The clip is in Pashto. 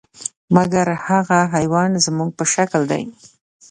مګر هغه حیوان خو زموږ په شکل دی .